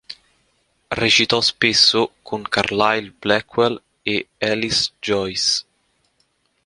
Recitò spesso con Carlyle Blackwell e Alice Joyce.